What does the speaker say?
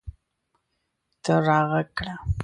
ته راږغ کړه